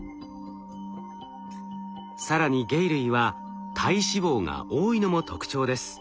更に鯨類は体脂肪が多いのも特徴です。